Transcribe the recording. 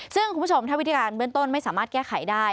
ซึ่งคุณผู้ชมถ้าวิธีการเบื้องต้นไม่สามารถแก้ไขได้